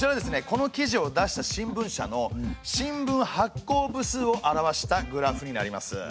この記事を出した新聞社の新聞発行部数を表したグラフになります。